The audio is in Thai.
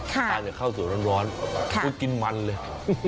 ถ้าเกิดเข้าสู่ร้อนกูจะกินมันเลย